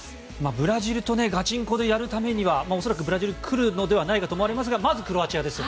ブラジルとガチンコでやるためには恐らくブラジル来るのではないかと思われますがまずクロアチアです。